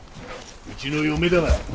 うちの嫁だ。